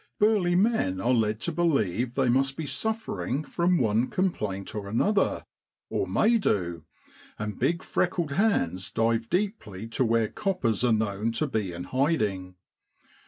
Burly men are led to believe they must be suffering from one complaint or another or may do; and big freckled hands dive deeply to where coppers are known to be in hiding.